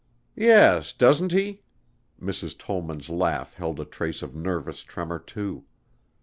"Yes, doesn't he?" Mrs. Tollman's laugh held a trace of nervous tremor, too.